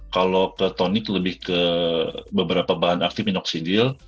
kalau ke tonic lebih ke beberapa bahan aktif inoksidin